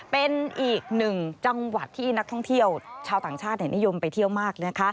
เป็นอีกหนึ่งจังหวัดที่นักท่องเที่ยวชาวต่างชาตินิยมไปเที่ยวมากนะคะ